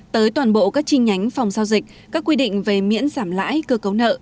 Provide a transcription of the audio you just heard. tới toàn bộ các chi nhánh phòng giao dịch các quy định về miễn giảm lãi cơ cấu nợ